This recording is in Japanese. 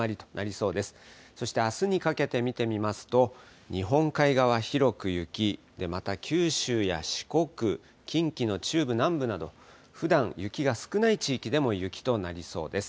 そしてあすにかけて見てみますと、日本海側、広く雪、また九州や四国、近畿の中部、南部など、ふだん雪が少ない地域でも雪となりそうです。